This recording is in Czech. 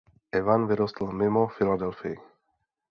Evan vyrostl mimo Filadelfii.